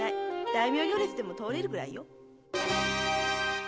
大名行列でも通れるくらいよ。